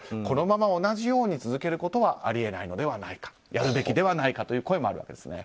このまま同じように続けることはあり得ないのではないかやるべきではないかという声もあるわけです。